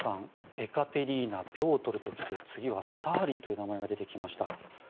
エカテリーナ、ピョートルと来て次はスターリンという名前が出てきました。